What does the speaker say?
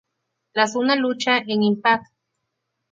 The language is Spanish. Tras una lucha en "Impact!